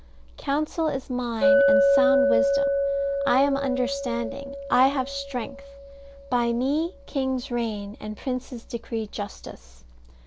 "Counsel is mine, and sound wisdom: I am understanding; I have strength. By me kings reign, and princes decree justice.